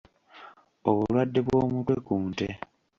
Obulwadde bw'omutwe ku nte.